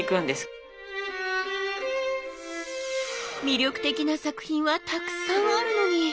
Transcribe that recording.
魅力的な作品はたくさんあるのに。